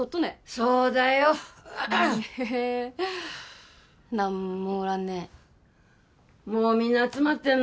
そうだよへえ何もおらんねもうみんな集まってんの？